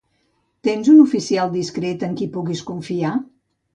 Tens un oficial discret en qui puguis confiar?